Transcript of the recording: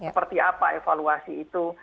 seperti apa evaluasi itu